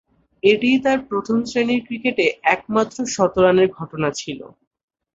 এটিই তার প্রথম-শ্রেণীর ক্রিকেটে একমাত্র শতরানের ঘটনা ছিল।